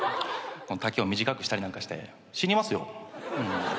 丈を短くしたりなんかして死にますよ。